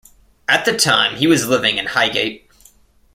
At the time he was living in Highgate.